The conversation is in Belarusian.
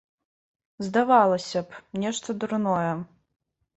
Здавалася б, нешта дурное.